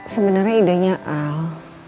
sebenernya idenya al